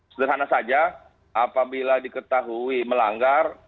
sederhana saja apabila diketahui melanggar